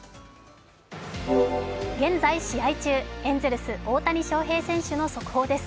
現在、試合中、エンゼルス・大谷翔平選手の速報です。